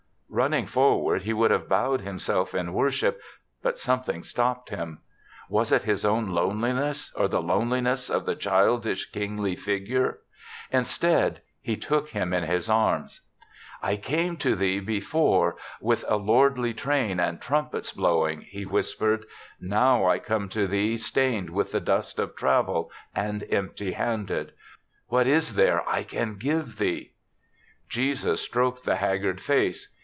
Running forward he would have bowed himself in worship, but some thing stopped him. Was it his own loneliness, or the loneliness of the childish kingly figure? Instead, he took him in his arms. "I came to thee before with a THE SEVENTH CHRISTMAS SS lordly train and trumpets blowing," he whispered; "now I come to thee stained with the dust of travel and empty handed. What is there I can give thee?" Jesus stroked the haggard face.